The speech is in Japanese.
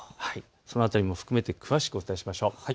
その辺りも含めて詳しくお伝えしましょう。